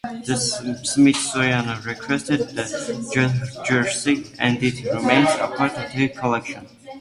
The Smithsonian requested the jersey and it remains a part of their collection.